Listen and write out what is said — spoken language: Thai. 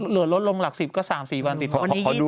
เหลือลดลงหลัก๑๐ก็๓๔วันติด